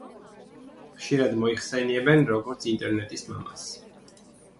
ხშირად მოიხსენიებენ როგორც ინტერნეტის მამას.